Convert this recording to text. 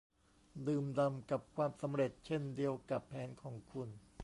ดื่มด่ำกับความสำเร็จเช่นเดียวกับแผนของคุณ